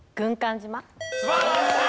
素晴らしい！